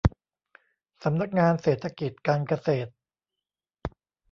สำนักงานเศรษฐกิจการเกษตร